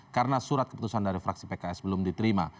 karena surat keputusan dari fraksi pks belum diterima